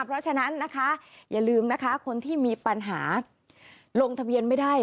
เพราะฉะนั้นนะคะอย่าลืมนะคะคนที่มีปัญหาลงทะเบียนไม่ได้